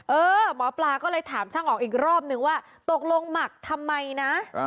เออหมอปลาก็เลยถามช่างออกอีกรอบนึงว่าตกลงหมักทำไมนะ